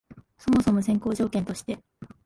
そもそも先行条件として、